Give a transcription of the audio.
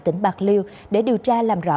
tỉnh bạc liêu để điều tra làm rõ